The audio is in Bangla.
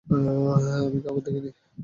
আমি কাউকে দেখিনি।